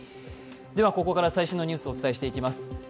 ここから最新のニュースをお伝えしていきます。